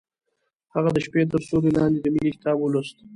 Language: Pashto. هغې د شپه تر سیوري لاندې د مینې کتاب ولوست.